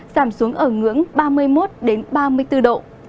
giảm xuống ở ngưỡng ba mươi một ba mươi bốn độ